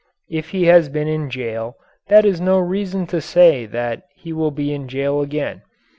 If he has been in jail, that is no reason to say that he will be in jail again.